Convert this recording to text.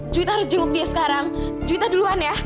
juwita harus jenguk dia sekarang juwita duluan ya